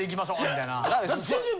みたいな。